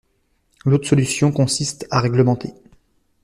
L’autre solution consiste à réglementer.